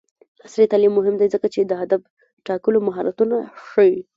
عصري تعلیم مهم دی ځکه چې د هدف ټاکلو مهارتونه ښيي.